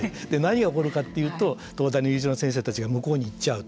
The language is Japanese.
何が起こるかというと先生たちが向こうに行っちゃうと。